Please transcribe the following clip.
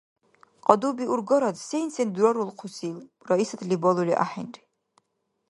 Кьадуби-ургарад сен-сен дурарулхъусил, Раисатли балули ахӀенри.